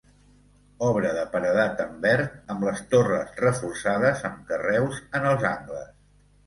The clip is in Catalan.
Obra de paredat en verd, amb les torres reforçades amb carreus en els angles.